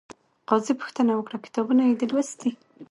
قاضي پوښتنه وکړه، کتابونه یې دې لوستي؟